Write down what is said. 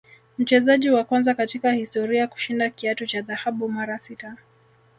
Mchezaji wa kwanza katika historia kushinda kiatu cha dhahabu mara sita